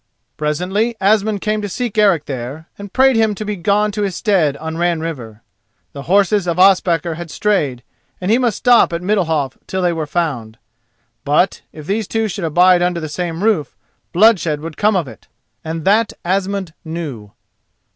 Presently Asmund came to seek Eric there, and prayed him to be gone to his stead on Ran River. The horses of Ospakar had strayed, and he must stop at Middalhof till they were found; but, if these two should abide under the same roof, bloodshed would come of it, and that Asmund knew.